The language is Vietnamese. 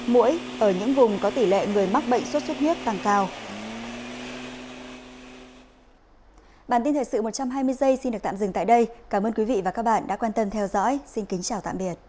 mũi ở những vùng có tỷ lệ người mắc bệnh suốt suốt huyết tăng cao